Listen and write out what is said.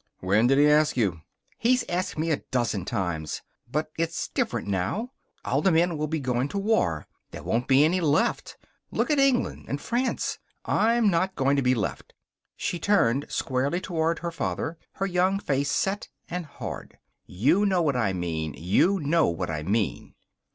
"When did he ask you?" "He's asked me a dozen times. But it's different now. All the men will be going to war. There won't be any left. Look at England and France. I'm not going to be left." She turned squarely toward her father, her young face set and hard. "You know what I mean. You know what I mean."